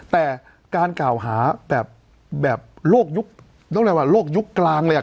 แต่การกล่าวหาแบบโลกยุคกลางเลย